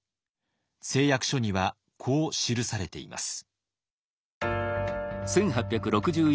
誓約書にはこう記されています。